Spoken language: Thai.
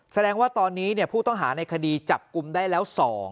แสดงว่าตอนนี้ผู้ต้องหาในคดีจับกลุ่มได้แล้ว๒